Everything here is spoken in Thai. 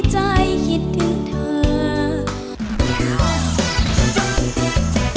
ที่คุณเลือกในขณะนี้